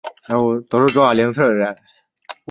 奥尔谢斯。